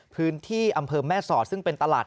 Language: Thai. พื้นที่อำเภอแม่สอดซึ่งเป็นตลาด